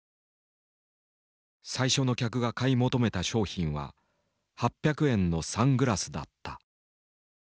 最初の客が買い求めた商品は８００円のサングラスだった。